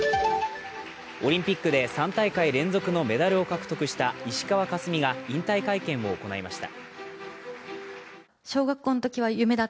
オリンピックで３大会連続のメダルを獲得した石川佳純が引退会見を行いました。